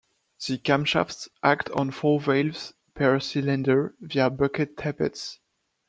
The camshafts act on four valves per cylinder via bucket tappets.